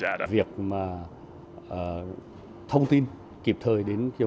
các dịch vụ và vật dụng thiết yếu